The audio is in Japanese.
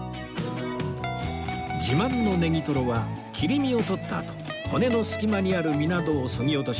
自慢のねぎとろは切り身を取ったあと骨の隙間にある身などをそぎ落とし